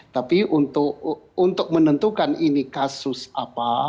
tapi untuk menentukan ini kasus apa